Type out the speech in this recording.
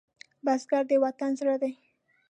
بزګر د وطن زړه دی